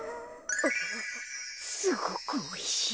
すごくおいしい。